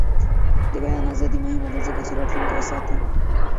د بیان ازادي مهمه ده ځکه چې راتلونکی ساتي.